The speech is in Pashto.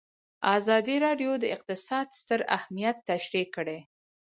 ازادي راډیو د اقتصاد ستر اهميت تشریح کړی.